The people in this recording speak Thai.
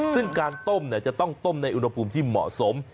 ซึ่งการต้มจะต้องต้มในอุณหภูมิที่เหมาะสม